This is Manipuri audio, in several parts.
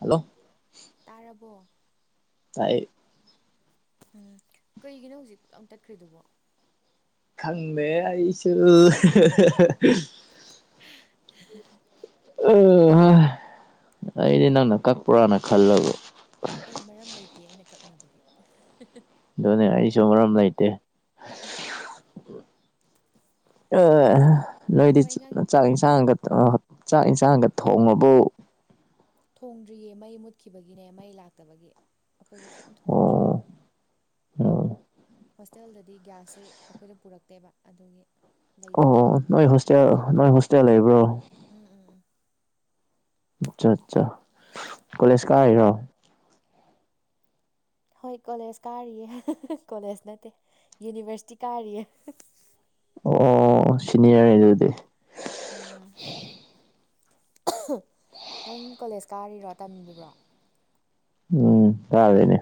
ꯍꯜꯂꯣ ꯇꯥꯔꯕꯣ ꯇꯥꯏ ꯎꯝ ꯀꯩꯒꯤꯅꯣ ꯍꯨꯖꯤꯛ ꯄꯠꯂꯥꯎ ꯇꯠꯈ꯭ꯔꯤꯗꯨꯕꯣ ꯈꯪꯗꯦ ꯑꯩꯁꯨ [unintelligible] [unintelligible] ꯑꯩꯗꯤ ꯅꯪꯅ ꯀꯛꯄ꯭ꯔꯥꯅ ꯈꯜꯂꯒꯥ ꯑꯦ ꯃꯔꯝ ꯂꯩꯇꯦ ꯑꯩꯅ ꯀꯛꯅꯕꯒꯤ ꯑꯗꯨꯅꯦ ꯑꯩꯁꯨ ꯃꯔꯝ ꯂꯩꯇꯦ [unintelligible] ꯑꯥ ꯅꯣꯏꯗꯤ ꯊꯕꯛ ꯆꯤꯛ ꯏꯟꯈꯥꯡ ꯆꯥꯛ ꯏꯟꯁꯥꯡꯒꯗꯣ ꯆꯥꯛ ꯏꯟꯁꯥꯡꯒ ꯊꯣꯡꯉꯕꯣ ꯊꯣꯡꯗ꯭ꯔꯤꯌꯦ ꯃꯩ ꯃꯨꯠꯈꯤꯕꯒꯤꯅꯦ ꯃꯩ ꯂꯥꯛꯇꯕꯒꯤ ꯑꯩꯈꯣꯏ ꯍꯧꯖꯤꯛ ꯊꯣꯡꯗ꯭ꯔꯤ ꯑꯝ ꯍꯣꯁꯇꯦꯜꯗꯗꯤ ꯒ꯭ꯌꯥꯁꯁꯨ ꯑꯩꯈꯣꯏꯗ ꯄꯨꯔꯛꯇꯦꯕ ꯑꯗꯨꯒꯤ ꯂꯩꯇꯕ ꯑꯣ ꯍꯥꯏꯇꯥꯔꯦ ꯅꯣꯏ ꯍꯣꯁꯇꯦꯜ ꯅꯣꯏ ꯍꯣꯁꯇꯦꯜ ꯂꯩꯕ꯭ꯔꯣ ꯎꯝ ꯎꯝ ꯎꯝ ꯑꯠꯆꯥ ꯑꯠꯆꯥ ꯀꯣꯂꯦꯖ ꯀꯥ ꯍꯥꯏꯔꯣ ꯍꯣꯏ ꯀꯣꯂꯦꯖ ꯀꯥꯔꯤꯌꯦ ꯀꯣꯂꯦꯖ ꯅꯠꯇꯦ ꯌꯨꯅꯤꯚꯔꯁꯤꯇꯤ ꯀꯥꯔꯤꯌꯦ ꯑꯣ ꯁꯤꯅꯤꯌꯔꯅꯤ ꯑꯗꯨꯗꯤ ꯑ ꯅꯪ ꯀꯣꯂꯦꯖ ꯀꯥꯔꯤꯔꯣ ꯇꯝꯃꯤꯕ꯭ꯔꯣ ꯎꯝ ꯇꯥꯔꯦꯅꯦ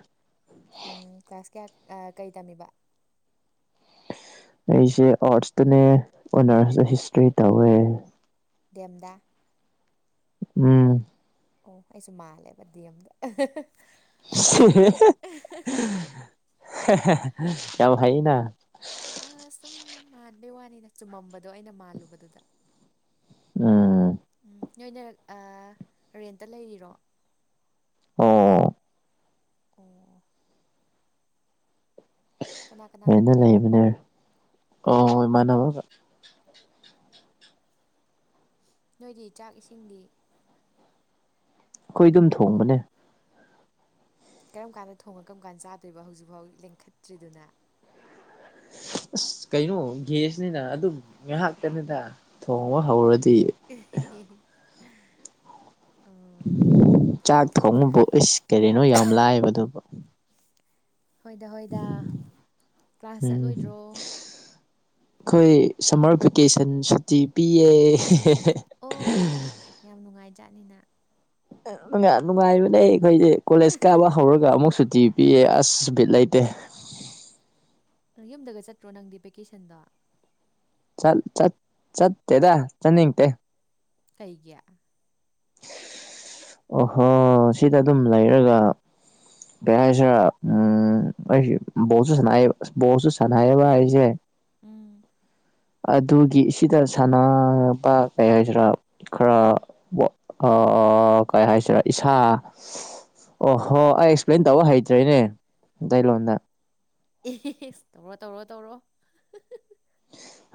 ꯎꯝ ꯀ꯭ꯂꯥꯁ ꯀꯌꯥ ꯀꯩ ꯇꯝꯃꯤꯕ ꯑꯩꯁꯦ ꯑꯥꯔꯠꯁꯇꯅꯦ ꯑꯣꯅꯔꯁꯇ ꯍꯤꯁꯇ꯭ꯔꯤ ꯇꯧꯋꯦ ꯗꯦꯝꯗꯥ ꯎꯝ ꯑꯣ ꯑꯩꯁꯨ ꯃꯥꯜꯂꯦꯕ ꯗꯤ ꯑꯦꯝꯗ ꯌꯥꯝ ꯍꯥꯏꯅ ꯑ ꯁꯨꯝ ꯃꯥꯟꯕꯩ ꯋꯥꯅꯤꯅ ꯆꯨꯝꯃꯝꯕꯗꯣ ꯑꯩꯅ ꯃꯥꯜꯂꯨꯕꯗꯨꯗ ꯎꯝ ꯎꯝ ꯅꯣꯏꯅ ꯑꯥ ꯔꯦꯟꯇ ꯂꯩꯔꯤꯔꯣ ꯑꯣ ꯑꯣ ꯀꯅꯥ ꯀꯅꯥ ꯍꯦꯟꯅ ꯂꯩꯃꯤꯟꯅꯩꯕ ꯂꯩꯕꯅꯦ ꯑꯣ ꯏꯃꯥꯟꯅꯕꯒ ꯅꯣꯏꯗꯤ ꯆꯥꯛ ꯏꯁꯤꯡꯗꯤ ꯑꯩꯈꯣꯏ ꯑꯗꯨꯝ ꯊꯣꯡꯕꯅꯦ ꯀꯔꯝ ꯀꯥꯟꯗ ꯊꯣꯡꯉ ꯀꯔꯝ ꯀꯥꯟꯗ ꯆꯥꯗꯣꯏꯣ ꯍꯧꯖꯤꯛꯐꯥꯎ ꯂꯦꯡꯈꯠꯇ꯭ꯔꯤꯗꯨꯅ ꯑꯁ ꯀꯩꯅꯣ ꯒꯦꯁꯅꯤꯅ ꯑꯗꯨꯝ ꯉꯥꯏꯍꯥꯛꯇꯅꯤꯗ ꯊꯣꯡꯕ ꯍꯧꯔꯗꯤ ꯑꯣ ꯆꯥꯛ ꯊꯣꯡꯉꯕꯨ ꯏꯁ ꯀꯔꯤꯅꯣ ꯌꯥꯝ ꯂꯥꯏꯕꯗꯨꯕꯨ ꯍꯣꯏꯗ ꯍꯣꯏꯗ ꯀ꯭ꯂꯥꯁ ꯎꯝ ꯆꯠꯂꯣꯏꯗ꯭ꯔꯣ꯫ ꯑꯩꯈꯣꯏ ꯁꯝꯃꯔ ꯚꯦꯀꯦꯁꯟ ꯁꯨꯇꯤ ꯄꯤꯌꯦ꯫ ꯑꯣ ꯑꯣ ꯑꯣ ꯌꯥꯝ ꯅꯨꯡꯉꯥꯏꯖꯥꯠꯅꯤꯅ꯫ ꯅꯨꯡ ꯅꯨꯡꯉꯥꯏꯕꯅꯦ ꯑꯩꯈꯣꯏꯁꯦ ꯀꯣꯂꯦꯖ ꯀꯥꯕ ꯍꯧꯔꯒ꯫ ꯑꯗꯨꯒ ꯑꯃꯨꯛ ꯁꯨꯇꯤ ꯄꯤꯑꯌꯦ ꯑꯁ ꯕꯤꯠ ꯂꯩꯇꯦ꯫ ꯅꯪ ꯌꯨꯝꯗꯒ ꯆꯠꯇ꯭ꯔꯣ ꯅꯪꯗꯤ ꯕꯦꯀꯦꯁꯟꯗꯣ꯫ ꯆꯠꯇꯦꯗ ꯆꯠꯅꯤꯡꯗꯦ꯫ ꯀꯩꯒꯤ꯫ ꯑꯣꯍꯣ ꯁꯤꯗ ꯑꯗꯨꯝ ꯂꯩꯔꯒ꯫ ꯀꯩ ꯍꯥꯏꯁꯤꯔ ꯎꯝ ꯑꯩꯁꯦ ꯕꯣꯜꯁꯨ ꯁꯥꯟꯕ ꯕꯣꯜꯁꯨ ꯁꯥꯟꯅꯩꯑꯌꯦꯕ ꯑꯩꯁꯦ꯫ ꯎꯝ꯫ ꯑꯗꯨꯒꯤ ꯁꯤꯗ ꯁꯥꯟꯅꯕ ꯀꯩ ꯍꯥꯏꯁꯤꯔꯥ꯫ ꯈꯔ ꯀꯩ ꯍꯥꯏꯁꯤꯔꯦ ꯏꯁꯥ꯫ ꯑꯣ ꯍꯣ ꯑꯩ ꯑꯦꯛꯁꯄ꯭ꯂꯦꯟ ꯇꯧꯕ ꯍꯩꯇ꯭ꯔꯦꯅꯦ ꯑꯇꯩꯂꯣꯟꯗ꯫ ꯑꯦꯁ ꯇꯧꯔꯣ ꯇꯧꯔꯣ ꯇꯧꯔꯣ꯫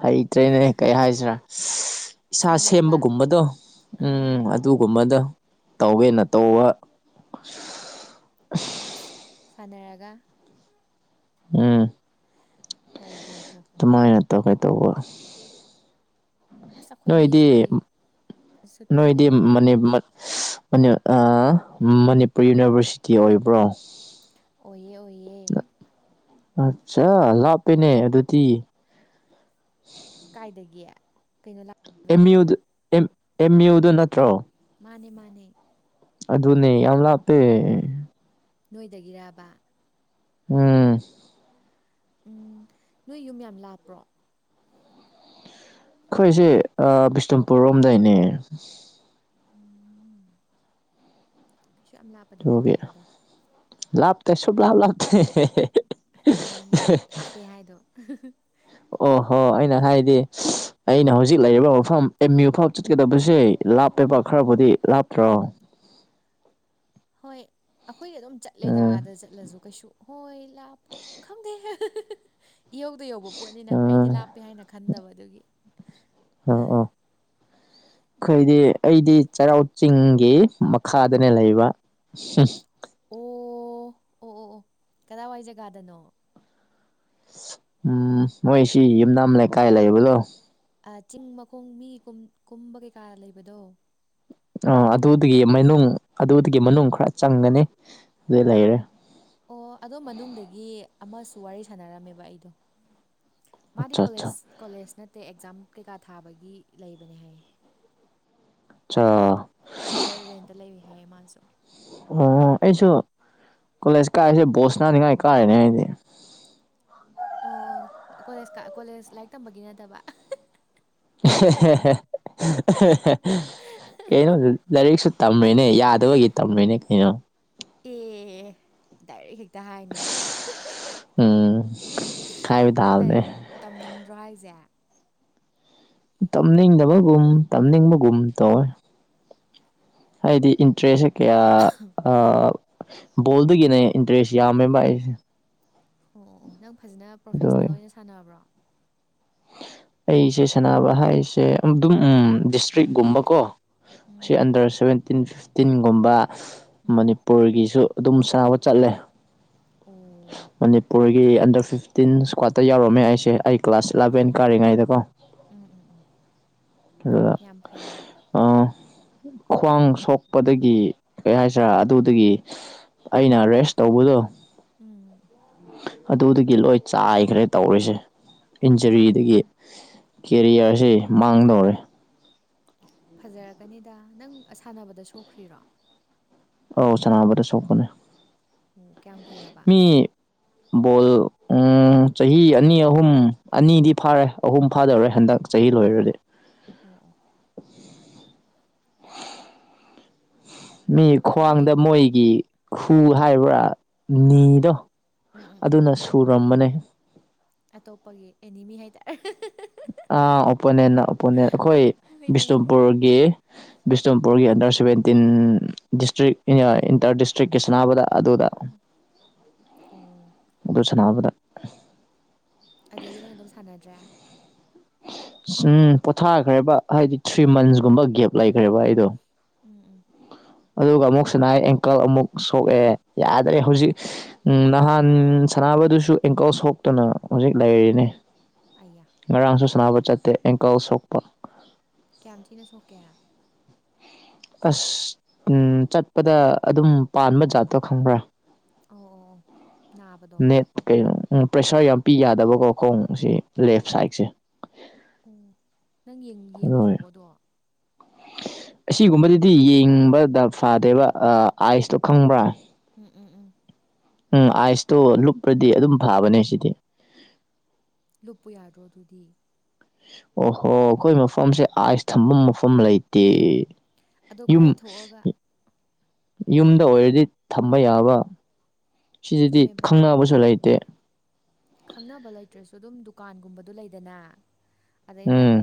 ꯍꯩꯇ꯭ꯔꯦꯅꯦ ꯀꯔꯤ ꯍꯥꯏꯁꯤꯔꯥ꯫ ꯏꯁꯥ ꯁꯥꯟꯅꯕ ꯁꯦꯝꯕꯒꯨꯝꯕꯗꯣ ꯑꯥ ꯎꯝ ꯑꯗꯨꯒꯨꯝꯕꯗꯣ ꯇꯧꯋꯦꯅ ꯇꯧꯕ꯫ ꯑ ꯁꯥꯟꯅꯔꯒ꯫ ꯎꯝ꯫ ꯑꯣ ꯍꯣ ꯍꯣ꯫ ꯑꯗꯨꯃꯥꯏꯅ ꯇꯧꯒꯦ ꯇꯧꯕ꯫ ꯑꯁ ꯑꯩꯈꯣꯏꯗꯤ ꯅꯣꯏꯗꯤ ꯁꯨꯇꯤ ꯁꯨꯇꯤ ꯅꯣꯏꯗꯤ ꯂꯩꯔꯗꯤ ꯃ꯫ ꯃꯅꯤꯄꯨꯔ ꯌꯨꯅꯤꯚꯔꯁꯤꯇꯤ ꯑꯣꯏꯕ꯭ꯔꯣ꯫ ꯑꯣꯏ ꯑꯣꯏꯌꯦ꯫ ꯑꯠꯆꯥ ꯂꯥꯞꯄꯦꯅꯦ ꯑꯗꯨꯗꯤ ꯀꯥꯏꯗꯒꯤ ꯀꯩꯅꯣ ꯂꯥꯛ ꯑꯦꯝ ꯌꯨꯗꯨ ꯑꯦꯝ ꯌꯨꯗꯨ ꯅꯠꯇ꯭ꯔꯣ ꯃꯥꯅꯦ ꯃꯥꯅꯦ ꯑꯗꯨꯅꯦ ꯌꯥꯝ ꯂꯥꯞꯄꯦ ꯅꯣꯏꯗꯒꯤꯔꯥꯕ ꯎꯝ ꯎꯝ ꯅꯣꯏ ꯌꯨꯝ ꯌꯥꯝ ꯂꯥꯞꯄ꯭ꯔꯣ ꯑꯩꯈꯣꯏꯁꯦ ꯕꯤꯁꯅꯨꯄꯨꯔ ꯔꯣꯝꯗꯏꯅꯦ ꯎꯝ ꯏꯁꯨ ꯌꯥꯝ ꯂꯥꯞ ꯗꯨꯒꯤ ꯂꯥꯕꯇꯦ ꯁꯨꯂꯥꯕ ꯂꯥꯞꯇꯦ ꯑꯗꯨꯒ ꯅꯪꯅ ꯌꯥꯝ ꯂꯥꯞꯄꯦ ꯍꯥꯏꯗꯣ ꯑꯣꯍꯣ ꯑꯩꯅ ꯍꯥꯏꯗꯤ ꯑꯩꯅ ꯍꯧꯖꯤꯛ ꯂꯩꯔꯤꯕ ꯃꯐꯝ ꯑꯦꯝ ꯌꯨ ꯐꯥꯎ ꯆꯠꯀꯗꯕꯁꯦ ꯂꯥꯞꯄꯦꯕ ꯎꯝ ꯎꯝ ꯎꯝ ꯈꯔꯕꯨꯗꯤ ꯂꯥꯞꯇ꯭ꯔꯣ ꯍꯣꯏ ꯑꯩꯈꯣꯏꯒꯤ ꯑꯗꯨꯝ ꯆꯠꯂꯦꯗꯥ ꯎꯝ ꯑꯗꯖꯨ ꯂꯁꯨꯨ ꯀꯩꯁꯨ ꯍꯣꯏ ꯂꯥꯛꯄ ꯈꯪꯗꯦꯍꯦ ꯏꯌꯧꯗ ꯌꯧꯕ ꯄꯣꯠꯅꯤꯅ ꯑꯩꯗꯤ ꯎꯝ ꯂꯥꯞꯄꯦ ꯍꯥꯏꯅ ꯈꯟꯗꯕ ꯑꯗꯨꯒꯤ ꯑꯣ ꯑꯣ [inaudible] ꯑꯩꯈꯣꯏꯗꯤ ꯑꯩꯗꯤ ꯆꯩꯔꯥꯎ ꯆꯤꯡꯒꯤ ꯃꯈꯥꯗꯅꯦ ꯂꯩꯕ ꯑꯣ ꯑꯣ ꯑꯣ ꯑꯣ ꯀꯗꯥꯏꯋꯥꯏ ꯖꯒꯥꯗꯅꯣ ꯎꯝ ꯃꯣꯏ ꯁꯤ ꯌꯨꯝꯅꯥꯝ ꯂꯩ ꯀꯥꯏ ꯂꯩꯕꯂꯣ ꯆꯤꯡ ꯃꯈꯣꯡ ꯃꯤ ꯀꯨꯝꯕ ꯀꯩꯀꯥ ꯂꯩꯕꯗꯣ ꯑꯣ ꯑꯗꯨꯏ ꯃꯅꯥꯛꯇ ꯑꯗꯨꯒꯤ ꯃꯅꯨꯡ ꯑꯗꯨꯗꯨꯒꯤ ꯃꯅꯨꯡ ꯈꯔ ꯆꯪꯒꯅꯤ ꯑꯗꯨ ꯂꯩꯔꯦ ꯑꯣ ꯑꯗꯣ ꯃꯅꯨꯡꯗꯒꯤ ꯑꯃꯁꯨ ꯋꯥꯔꯤ ꯁꯥꯟꯅꯔꯝꯃꯦꯕ ꯑꯩꯗꯣ ꯃꯥꯗꯤ ꯑꯠꯆꯥ ꯑꯠꯆꯥ ꯀꯣꯂꯦꯖ ꯀꯣꯂꯦꯖ ꯅꯠꯇꯦ ꯑꯦꯛꯖꯥꯝ ꯀꯩꯀꯥ ꯊꯥꯕꯒꯤ ꯂꯩꯕꯅꯦ ꯍꯥꯏꯌꯦ ꯑꯠꯆꯥ ꯑꯗꯨꯗ ꯔꯦꯟꯇ ꯂꯩ ꯍꯥꯏꯌꯦ ꯃꯥꯁꯨ ꯑꯣ ꯑꯩꯁꯨ ꯀꯣꯂꯦꯖ ꯀꯥꯏꯔꯤꯁꯦ ꯕꯣꯁ ꯁꯥꯟꯅꯅꯤꯡꯉꯥꯏ ꯀꯥꯏꯔꯤꯅꯦ ꯑꯩꯗꯤ ꯑꯣ ꯀꯣꯂꯦꯖ ꯀꯣꯂꯦꯖ ꯂꯥꯏꯔꯤꯛ ꯇꯝꯕꯒꯤ ꯅꯠꯇꯕ ꯀꯩꯅꯣ ꯂꯥꯏꯔꯤꯛꯁꯨ ꯇꯝꯃꯤꯅꯦ ꯌꯥꯗꯕꯒꯤ ꯇꯝꯂꯤꯅꯦ ꯀꯩꯅꯣ ꯑꯦ ꯗꯥꯏꯔꯦꯛ ꯍꯦꯛꯇ ꯍꯥꯏꯅꯦ ꯎꯝ ꯍꯥꯏꯕ ꯅꯪ ꯂꯩ ꯇꯥꯕꯅꯦ ꯇꯝꯅꯤꯡꯗ꯭ꯔꯣ ꯍꯥꯏꯁꯦ ꯇꯝꯅꯤꯡꯗꯕꯒꯨꯝ ꯇꯝꯅꯤꯡꯕꯒꯨꯝ ꯇꯧꯋꯦ ꯍꯥꯏꯗꯤ ꯏꯟꯇ꯭ꯔꯦꯁꯁꯦ ꯀꯌꯥ ꯑ ꯕꯣꯜꯗꯒꯤꯅ ꯏꯟꯇꯔꯦꯁ ꯌꯥꯝꯃꯦꯕ ꯑꯩ ꯑꯣ ꯑꯣ ꯅꯪ ꯐꯖꯅ ꯑꯗꯨ ꯄ꯭ꯔꯣꯐꯦꯁꯅꯦꯜ ꯑꯣꯏꯅ ꯁꯥꯟꯅꯕ꯭ꯔꯣ ꯑꯩꯁꯦ ꯁꯅꯕ ꯍꯥꯏꯁꯦ ꯑꯗꯨꯝ ꯎꯝ ꯗꯤꯁꯇ꯭ꯔꯤꯛꯒꯨꯝꯕ ꯀꯣ ꯑꯁꯤ ꯎꯝ ꯑꯟꯗꯔ ꯁꯚꯦꯟꯇꯤꯟ ꯐꯤꯐꯇꯤꯟꯒꯨꯝꯕ ꯎꯝ ꯃꯅꯤꯄꯨꯔꯒꯤꯁꯨ ꯑꯗꯨꯝ ꯁꯥꯟꯅꯕ ꯆꯠꯂꯦ ꯑꯣ ꯃꯅꯤꯄꯨꯔꯒꯤ ꯑꯟꯗꯔ ꯐꯤꯐꯇꯤꯟ ꯏꯁ꯭ꯀ꯭ꯋꯥꯠꯇ ꯌꯥꯎꯔꯝꯃꯦ ꯑꯩꯁꯦ ꯑꯩ ꯀ꯭ꯂꯥꯁ ꯏꯂꯚꯦꯟ ꯀꯥꯔꯤꯉꯩꯗꯀꯣ ꯎꯝ ꯎꯝ ꯎꯝ ꯑꯗꯨꯗ ꯌꯥꯝ ꯐꯩꯌꯦ ꯈ꯭ꯋꯥꯡ ꯁꯣꯛꯄꯗꯒꯤ ꯀꯩ ꯍꯥꯏꯁꯤꯔꯥ ꯑꯗꯨꯗꯒꯤ ꯑꯩꯅ ꯔꯦꯁ ꯇꯧꯕꯗꯣ ꯎꯝ ꯑꯗꯨꯗꯒꯤ ꯂꯣꯏ ꯆꯥꯏꯈ꯭ꯔꯦ ꯇꯧꯔꯤꯁꯦ ꯏꯟꯖꯨꯔꯤꯗꯒꯤ꯫ ꯑꯣ ꯑꯣ ꯀꯦꯔꯤꯌꯔꯁꯤ ꯃꯥꯡꯗꯧꯔꯦ꯫ ꯐꯖꯔꯛꯀꯅꯤꯗ ꯅꯪ ꯑꯁꯥꯟꯅꯕꯗ ꯁꯣꯛꯈ꯭ꯔꯤꯔꯣ꯫ ꯑꯧ ꯁꯥꯟꯅꯕꯗ ꯁꯣꯛꯄꯅꯦ꯫ ꯑꯣ ꯀꯌꯥꯝ ꯀꯨꯏꯔꯕ꯫ ꯏꯞ [inaudible] ꯕꯣꯜ ꯎꯝ ꯆꯍꯤ ꯑꯅꯤ ꯑꯍꯨꯝ ꯑꯅꯤꯗꯤ ꯐꯥꯔꯦ ꯑꯍꯨꯝ ꯐꯥꯗꯧꯔꯦ ꯍꯟꯗꯛ꯫ ꯆꯍꯤ ꯂꯣꯏꯔꯗꯤ꯫ ꯑꯣ ꯑꯣ ꯃꯤ ꯈ꯭ꯋꯥꯡꯗ ꯅꯣꯏ ꯃꯣꯏꯒꯤ ꯈꯨ ꯍꯥꯏꯕ꯭ꯔꯥ ꯑꯥ ꯑꯥ ꯅꯤꯗꯣ꯫ ꯎꯝ ꯎꯝ ꯎꯝ ꯑꯗꯨꯅ ꯁꯨꯔꯝꯕꯅꯦ꯫ ꯑꯇꯣꯞꯄꯒꯤ ꯑꯦꯅꯤꯃꯤ ꯍꯥꯏꯇꯥꯔꯦ ꯑꯍꯤ꯫ ꯑ ꯑꯣꯄꯣꯅꯦꯟꯅ ꯑꯣꯄꯣꯅꯦꯟ ꯑꯩꯈꯣꯏ ꯍꯣꯏꯅꯦ ꯕꯤꯁꯅꯨꯄꯨꯔꯒꯤ꯫ ꯕꯤꯁꯅꯨꯄꯨꯔꯒꯤ ꯑꯟꯗꯔ ꯁꯕꯦꯟꯇꯤꯟ ꯗꯤꯁꯇ꯭ꯔꯤꯛ ꯏꯟꯑ ꯏꯟꯇꯔ ꯗꯤꯁꯇ꯭ꯔꯤꯛꯀꯤ ꯁꯥꯟꯅꯕꯗ ꯑꯗꯨꯗ꯫ ꯎꯝ ꯑꯣ ꯑꯗꯨ ꯁꯥꯟꯅꯕꯗ꯫ ꯑꯗꯨꯗꯒꯤ ꯅꯪ ꯑꯗꯨꯝ ꯁꯥꯟꯅꯗ꯭ꯔꯦ꯫ ꯎꯝ ꯄꯣꯊꯥꯈ꯭ꯔꯦꯕ ꯍꯥꯏꯗꯤ ꯊ꯭ꯔꯤ ꯃꯟꯁꯀꯨꯝꯕ ꯒꯦꯞ ꯂꯩꯈ꯭ꯔꯦꯕ ꯑꯩꯗꯣ꯫ ꯎꯝ ꯎꯝ ꯑꯗꯨꯒ ꯑꯃꯨꯛ ꯁꯅꯥꯏ ꯑꯦꯡꯀꯜ ꯑꯃꯨꯛ ꯁꯣꯛꯑꯦ ꯌꯥꯗ꯭ꯔꯦ ꯍꯧꯖꯤꯛ꯫ ꯎꯝ ꯅꯍꯥꯟ ꯁꯥꯟꯅꯕꯗꯨꯁꯨ ꯑꯦꯡꯀꯜ ꯁꯣꯛꯇꯅ ꯍꯧꯖꯤꯛ ꯂꯩꯔꯤꯅꯦ꯫ ꯑꯩꯌꯥ ꯉꯔꯥꯡꯁꯨ ꯁꯥꯟꯅꯕ ꯆꯠꯇꯦ ꯑꯦꯡꯀꯜ ꯁꯣꯛꯄ꯫ ꯀꯌꯥꯝ ꯊꯤꯅ ꯁꯣꯛꯀꯦ꯫ ꯑꯁ ꯎꯝ ꯆꯠꯄꯗ ꯑꯗꯨꯝ ꯄꯥꯟꯕ ꯖꯥꯠꯇꯣ ꯈꯪꯕ꯭ꯔꯥ꯫ ꯑꯣ ꯑꯣ ꯑꯣ ꯅꯥꯕꯗꯣ꯫ ꯅꯦꯠ ꯀꯩꯅꯣ ꯄ꯭ꯔꯦꯁꯔ ꯌꯥꯝ ꯄꯤ ꯌꯥꯗꯕꯀꯣ ꯈꯣꯡ ꯁꯤ ꯂꯦꯐ ꯁꯥꯏꯗꯁꯤ꯫ ꯑꯣ ꯅꯪ ꯌꯦꯡ ꯑꯗꯨ ꯌꯦꯡꯗ꯭ꯔꯕꯣꯗꯣ꯫ ꯑꯁꯤꯒꯨꯝꯕꯗꯨꯗꯤ ꯌꯦꯡꯕꯗ ꯐꯗꯦꯕ ꯑꯑꯥꯏꯁꯇꯣ ꯈꯪꯕ꯭ꯔꯥ꯫ ꯎꯝ ꯎꯝ ꯎꯝ ꯎꯝ ꯑꯥꯏꯁꯇꯣ ꯂꯨꯞꯄ꯭ꯔꯗꯤ ꯑꯗꯨꯝ ꯐꯥꯕꯅꯦ ꯁꯤꯗꯤ꯫ ꯂꯨꯞꯄꯨ ꯌꯥꯗ꯭ꯔꯣ ꯑꯗꯨꯗꯤ꯫ ꯑꯣꯍꯣ ꯑꯩꯈꯣꯏ ꯃꯐꯝꯁꯦ ꯑꯥꯏꯁ ꯊꯐꯝ ꯃꯐꯝ ꯂꯩꯇꯦ꯫ ꯑꯗꯣ ꯌꯨꯝ ꯈꯔ ꯊꯣꯛꯑꯒ ꯌꯨꯝꯗ ꯑꯣꯏꯔꯗꯤ ꯊꯝꯕ ꯌꯥꯕ꯫ ꯁꯤꯗꯗꯤ ꯆꯨꯝꯃꯦꯕ ꯈꯪꯅꯕꯁꯨ ꯂꯩꯇꯦ꯫ ꯈꯪꯅꯕ ꯂꯩꯇ꯭ꯔꯁꯨ ꯑꯗꯨꯝ ꯗꯨꯀꯥꯟꯒꯨꯝꯕꯗ ꯂꯩꯗꯅ ꯑꯗꯩꯗ ꯎꯝ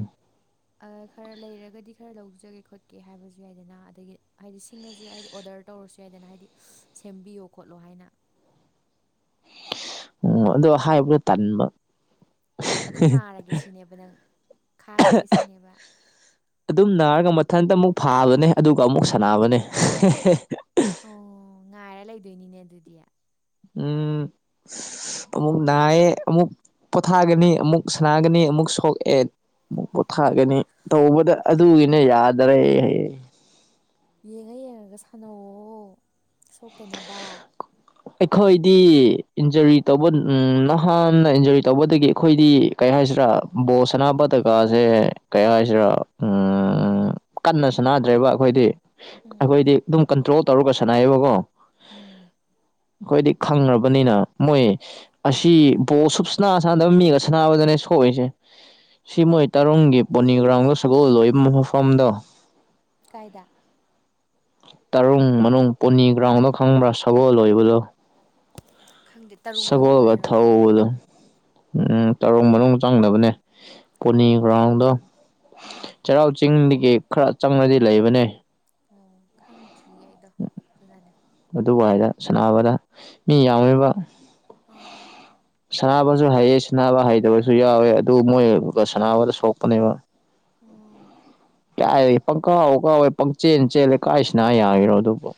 ꯑ ꯈꯔ ꯂꯩꯔꯒꯗꯤ ꯈꯔ ꯂꯧꯖꯒꯦ ꯈꯣꯠꯀꯦ ꯍꯥꯏꯕꯁꯨ ꯌꯥꯏꯗꯅ ꯑꯗꯒꯤ ꯍꯥꯏꯗꯤ ꯁꯤꯡꯉꯁꯨ ꯍꯥꯏꯗꯤ ꯑꯣꯗꯔ ꯇꯧꯔꯁꯨ ꯌꯥꯏꯗꯅ ꯍꯥꯏꯗꯤ ꯁꯦꯝꯕꯤꯌꯣ ꯈꯣꯠꯂꯣ ꯍꯥꯏꯅ꯫ ꯎꯝ ꯑꯗꯣ ꯍꯥꯏꯕꯗꯣ ꯇꯟꯕ꯫ ꯑꯗꯨꯝ ꯅꯥꯔꯒꯦ ꯁꯤꯅꯦꯕ ꯅꯪ ꯈꯥꯡꯉꯒꯦ ꯁꯤꯅꯦꯕ꯫ ꯑꯗꯨꯝ ꯅꯥꯔꯒ ꯃꯊꯟꯇ ꯑꯃꯨꯛ ꯐꯥꯕꯅꯦ ꯑꯗꯨꯒ ꯑꯃꯨꯛ ꯁꯥꯟꯅꯕꯅꯦ꯫ ꯑꯣꯑꯣ ꯉꯥꯏꯔ ꯂꯩꯗꯣꯏꯅꯤꯅꯦ ꯑꯗꯨꯗꯤ꯫ ꯎꯝ ꯑꯝꯃꯨꯛ ꯅꯥꯏꯌꯦ ꯑꯝꯃꯨꯛ ꯄꯣꯊꯥꯒꯅꯤ ꯑꯃꯨꯛ ꯁꯥꯟꯅꯒꯅꯤ ꯑꯃꯨꯛ ꯁꯣꯛꯑꯦ ꯃꯨꯛꯀꯨꯠ꯫ ꯊꯥꯒꯅꯤ ꯇꯧꯕꯗ ꯑꯗꯨꯒꯤꯅꯦ ꯌꯥꯗꯔꯦ ꯍꯥꯏꯌꯦ꯫ ꯌꯦꯡꯉ ꯌꯦꯡꯉꯒ ꯁꯥꯟꯅꯧꯑꯣ ꯁꯣꯛꯇꯅꯕ꯫ ꯑꯩꯈꯣꯏꯗꯤ ꯏꯟꯖꯨꯔꯤ ꯇꯧꯕ ꯅꯍꯥꯅ ꯏꯟꯖꯨꯔꯤ ꯇꯧꯕꯗꯒꯤ ꯑꯩꯈꯣꯏꯗꯤ ꯀꯩ ꯍꯥꯏꯁꯤꯔꯥ ꯕꯣꯜ ꯁꯥꯟꯅꯕꯗꯒꯥꯁꯦ ꯀꯩ ꯍꯥꯏꯁꯤꯔꯥ ꯎꯝ ꯎꯝ꯫ ꯀꯟꯅ ꯁꯥꯟꯅꯗ꯭ꯔꯦꯕ ꯑꯩꯈꯣꯏꯗꯤ ꯎꯝ ꯎꯝ ꯑꯩꯈꯣꯏꯗꯤ ꯑꯗꯨꯝ ꯀꯟꯇ꯭ꯔꯣꯜ ꯇꯧꯔꯒ ꯁꯥꯟꯅꯩꯌꯦꯕꯀꯣ꯫ ꯎꯝ ꯑꯩꯈꯣꯏꯗꯤ ꯈꯪ꯭ꯅꯕꯅꯤꯅ ꯃꯣꯏ ꯑꯁꯤ ꯕꯣ ꯁꯨꯞꯁꯅꯥ ꯁꯥꯟꯅꯗꯕ ꯃꯤꯒ ꯁꯥꯟꯅꯕꯗꯅꯦ ꯁꯣꯛꯏꯁꯦ ꯁꯤ ꯃꯣꯏ ꯇꯔꯪꯒꯤ ꯄꯣꯅꯤꯒ꯭ꯔꯥꯎꯟꯗ ꯁꯒꯣꯜ ꯂꯣꯏꯕ ꯃꯐꯝꯗꯣ ꯀꯥꯏꯗ ꯇꯔꯨꯡ ꯃꯅꯨꯡ ꯄꯣꯅꯤ ꯒ꯭ꯔꯥꯎꯟꯗꯣ ꯈꯪꯕ꯭ꯔꯥ ꯁꯒꯣꯜ ꯑꯣꯏꯕꯗꯣ ꯈꯪꯗꯦ ꯇꯔꯨꯡ ꯃꯅꯨꯡ ꯁꯒꯣꯜꯒ ꯍꯥꯏꯔꯣ ꯊꯧꯕꯗꯣ ꯎꯝ ꯇꯔꯨꯡ ꯃꯅꯨꯡ ꯆꯪꯗꯕꯅꯦ ꯑꯣ ꯄꯣꯅꯤ ꯒ꯭ꯔꯥꯎꯟꯗꯣ ꯎꯝ ꯆꯩꯔꯥꯎ ꯆꯤꯡꯗꯒꯤ ꯈꯔ ꯆꯪꯉꯗꯤ ꯂꯩꯕꯅꯦ ꯑꯣ ꯈꯪꯗ꯭ꯔꯤꯌꯦ ꯑꯩꯗꯣ ꯑꯗꯨꯅꯅꯦ ꯑꯗꯨꯕꯨꯏꯗ ꯁꯅꯥꯅꯕꯗ ꯃꯤ ꯌꯥꯝꯃꯤꯕ ꯑꯥ ꯁꯅꯕꯁꯨ ꯍꯩꯑ ꯁꯅꯕ ꯍꯩꯗꯕꯁꯨ ꯌꯥꯎꯋꯦ ꯑꯗꯨ ꯃꯣꯏꯒ ꯁꯅꯕꯗ ꯁꯣꯛꯄꯅꯦꯕ ꯎꯝ ꯀꯌꯥ ꯄꯪꯀꯥꯎ ꯋꯥꯀꯥꯋꯦ ꯄꯪꯆꯦꯟ ꯆꯦꯜꯂꯦ ꯀꯥꯏꯁꯤꯅ ꯌꯥꯒꯤꯔꯣ ꯑꯗꯨꯕꯨ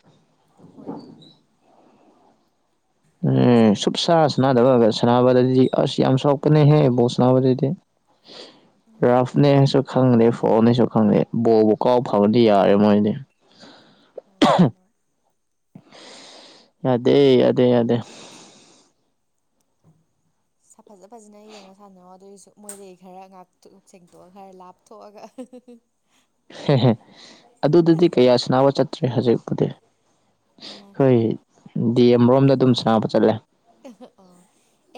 ꯍꯣꯏ ꯑꯗꯨꯕꯨꯗꯤ ꯎ ꯐꯖꯕ ꯁꯨꯨꯞ ꯁ ꯁꯅꯗꯕ ꯁꯅꯥꯕ ꯑꯁ ꯌꯥꯝ ꯁꯣꯀꯅꯦ ꯍ ꯎꯝ ꯔꯐꯅꯦ ꯁ ꯈꯪꯗꯦ ꯐꯣꯅꯦꯁꯨ ꯈꯪꯗꯦ ꯕꯧꯂꯕꯨ ꯀꯥꯎ ꯐꯕꯗꯤ ꯌꯥꯔꯦ ꯃꯣꯏꯗꯤ ꯍꯣꯏ ꯍꯣꯏ ꯍꯣꯏ ꯌꯥꯗꯦ ꯌꯥꯗꯦ ꯌꯥꯗꯦ [unintelligible] ꯐꯖ ꯐꯖꯅ ꯌꯦꯡꯉ ꯁꯥꯟꯅꯔꯣ ꯑꯗꯨꯑꯣꯏꯁꯨ ꯃꯣꯏꯗꯒꯤ ꯈꯔ ꯉꯥꯛꯇ ꯁꯦꯡꯇꯣꯛꯒ ꯈꯔ ꯂꯥꯞꯄ ꯊꯣꯛꯑꯒ ꯍꯦꯍꯦ ꯑꯗꯨꯗꯗꯤ ꯀꯌꯥ ꯁꯅꯥꯕ ꯆꯠꯇ꯭ꯔꯦ ꯍꯧꯖꯤꯛꯄꯨꯗꯤ ꯑꯥ ꯍꯈꯣꯏ ꯗꯤ ꯑꯃꯔꯣꯝꯗ ꯑꯗꯨꯝ ꯁꯥꯅꯕ ꯆꯠꯂꯦ ꯑꯣ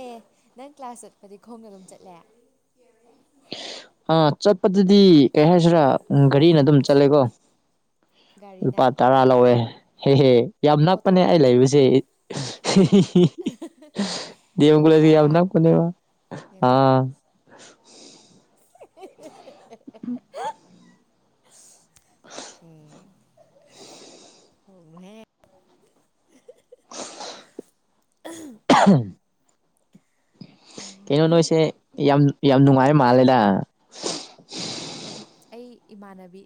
ꯑꯦ ꯅꯪ ꯀ꯭ꯂꯥꯁ ꯆꯠꯄꯗꯤ ꯈꯣꯡꯗ ꯑꯗꯨꯝ ꯆꯠꯂꯦ [unintelligible] ꯁꯤꯁꯇꯔ ꯑꯥ ꯆꯠꯄ ꯗꯨꯗꯤ ꯀꯔꯤ ꯍꯥꯏꯁꯤꯔꯥ ꯒꯥꯔꯤꯅ ꯑꯗꯨꯝ ꯆꯠꯂꯦꯀꯣ ꯒꯥꯔꯤꯅ ꯂꯨꯄꯥ ꯇꯔꯥ ꯑꯣ ꯂꯧꯋꯦ ꯍꯦ ꯍꯦ ꯌꯥꯝ ꯅꯛ ꯑꯣꯇꯣ ꯄꯅꯦ ꯑꯩ ꯂꯩꯕꯁꯦ ꯑꯣ ꯀꯨꯂꯁ ꯌꯥꯝ ꯑꯣꯇꯣꯗ ꯅꯛꯄ ꯅꯦꯕ ꯑꯥ ꯍꯦ ꯍꯦ ꯍꯦ ꯍꯦ ꯍꯦ [unintelligible] ꯎꯝ [unintelligible] [unintelligible] ꯑꯣ ꯀꯩꯅꯣ ꯅꯣꯏ ꯅꯣꯏꯁꯦ ꯌꯥꯝ ꯌꯥꯝ ꯅꯨꯡꯉꯥꯏꯕ ꯃꯥꯜꯂꯦꯗ ꯑꯣ ꯑꯩ ꯏꯃꯥꯟ ꯅꯕꯤ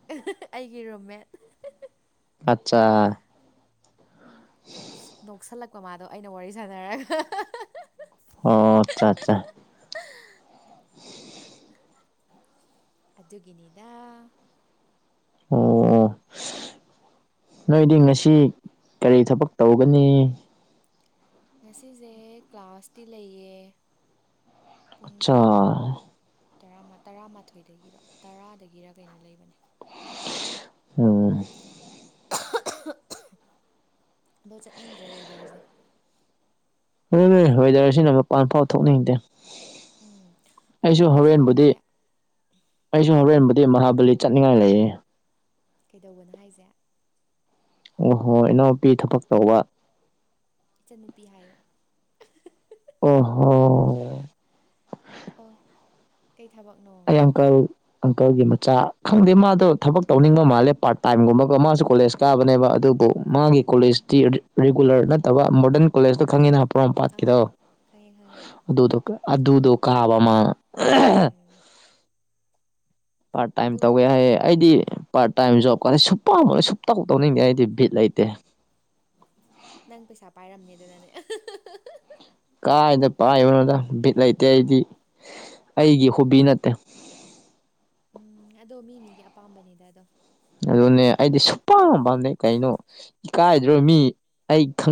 ꯑꯩꯒꯤ ꯔꯨꯝꯃꯦꯠ ꯑꯠꯆꯥ ꯎ ꯅꯣꯛꯁꯜ ꯂꯛꯄ ꯃꯥꯗꯣ ꯑꯩꯅ ꯋꯥꯔꯤ ꯁꯥꯟꯅꯔꯒ ꯑꯣ ꯑꯠꯆꯥ ꯆꯥ ꯑꯗꯨꯒꯤ ꯅꯤꯗ ꯑꯣ ꯑꯣ ꯅꯣꯏꯗꯤ ꯉꯁꯤ ꯀꯔꯤ ꯊꯕꯛ ꯇꯧ ꯒꯅꯤ ꯉꯁꯤꯖꯦ ꯀ꯭ꯂꯥꯁꯇꯤ ꯂꯩꯌꯦ ꯑꯆꯥ ꯇꯔꯥꯃꯥ ꯇꯔꯥꯃꯥꯊꯣꯏ ꯗꯒꯤꯔꯣ ꯇꯔꯥꯗꯒꯤꯔ ꯀꯩꯅꯣ ꯂꯩꯕꯅꯦ [unintelligible] ꯎꯝ [unintelligible] ꯑꯗꯣ ꯆꯠꯅꯤꯡꯗ꯭ꯔꯦ ꯋꯦꯗꯔꯁꯦ ꯑꯗꯨꯅꯦ ꯋꯦꯗꯔꯁꯤꯅ ꯃꯄꯥꯟ ꯐꯥꯎ ꯊꯣꯛꯅꯤꯡꯅꯤꯡꯗꯦ ꯎꯝ ꯑꯗꯨ ꯃꯩꯁꯨ ꯂꯥꯛꯇꯦ ꯑꯩꯁꯨ ꯍꯨꯔꯦꯟ ꯕꯨꯗꯤ ꯃꯍꯥꯕꯂꯤ ꯆꯠꯅꯤꯡꯉꯥꯏ ꯂꯩꯌꯦ ꯀꯩꯗꯧꯕꯅꯣ ꯍꯥꯏꯖꯦ ꯑꯣꯍꯣ ꯏꯅꯥꯎꯄꯤ ꯊꯕꯛ ꯇꯧꯕ ꯏꯆꯟꯅꯨꯄꯤ ꯍꯥꯏꯌꯣ ꯑꯣ ꯍꯣ ꯑꯣ ꯀꯩ ꯊꯕꯛꯅꯣ ꯑꯩ ꯑꯪꯀꯜ ꯑꯪꯀꯜꯒꯤ ꯃꯆꯥ ꯈꯪꯗꯦ ꯃꯥꯗꯣ ꯊꯕꯛ ꯇꯧꯅꯤꯡꯕ ꯃꯥꯜꯂꯦ ꯄꯥꯔꯠ ꯇꯥꯏꯝꯒꯨꯝꯕꯒ ꯃꯥꯁꯨ ꯀꯣꯂꯦꯖ ꯀꯥꯕꯅꯦꯕ ꯑꯗꯨꯕꯨ ꯃꯥꯒꯤ ꯀꯣꯂꯦꯖꯇꯤ ꯔꯤꯒꯨꯂꯔ ꯅꯠꯇꯕ ꯃꯣꯗꯔꯟ ꯀꯣꯂꯦꯖꯇꯣ ꯈꯪꯉꯦꯅ ꯍꯥꯞꯄ ꯄ꯭ꯔꯣꯝꯄꯥꯛ ꯑꯥ ꯀꯤꯗꯣ ꯑꯥ ꯈꯪꯉꯦ ꯑꯗꯨꯗꯣ ꯑꯗꯨꯗꯣ ꯀꯥꯕ ꯑꯃ ꯎꯝ ꯄꯥꯔꯠ ꯇꯥꯏꯝ ꯇꯧꯋꯦ ꯍꯥꯏꯌꯦ ꯑꯩꯗꯤ ꯄꯥꯔꯠ ꯇꯥꯏꯝ ꯖꯣꯕ ꯀꯥꯟꯅ ꯁꯨꯞꯄꯝ ꯁꯨꯞꯇꯧ ꯇꯧꯅꯤꯡꯗꯦ ꯑꯩꯗꯤ ꯕꯤꯠ ꯂꯩꯇꯦ ꯅꯪ ꯄꯩꯁꯥ ꯄꯥꯏꯔꯝꯅꯤ ꯑꯗꯨꯅꯅꯦ ꯀꯥꯏꯗ ꯄꯥꯏꯕꯅꯣꯗ ꯕꯤꯠ ꯂꯩꯇꯦ ꯑꯩꯗꯤ ꯑꯩꯒꯤ ꯍꯣꯕꯤ ꯅꯠꯇꯦ ꯎꯝ ꯑꯗꯣ ꯃꯤ ꯃꯤꯒꯤ ꯑꯄꯥꯝꯕꯅꯤꯗ ꯑꯗꯣ ꯑꯗꯨꯅꯦ ꯑꯩꯗꯤ ꯁꯨꯄꯝ ꯄꯥꯝꯗꯩ ꯀꯩꯅꯣ ꯏꯀꯥꯏꯗ꯭ꯔꯣ ꯃꯤ ꯑꯩ ꯈꯪ